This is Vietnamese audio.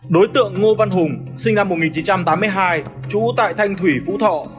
đối tượng ngô văn hùng sinh năm một nghìn chín trăm tám mươi hai trú tại thanh thủy phú thọ